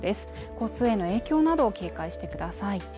交通への影響などを警戒してください